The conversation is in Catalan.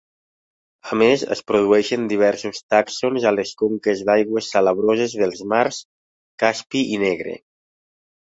A més, es produeixen diversos tàxons a les conques d'aigües salabroses dels mars Caspi i Negre.